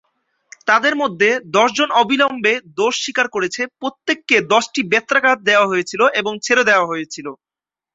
তাদের মধ্যে দশজন অবিলম্বে দোষ স্বীকার করেছে, প্রত্যেককে দশটি বেত্রাঘাত দেওয়া হয়েছিল এবং ছেড়ে দেওয়া হয়েছিল।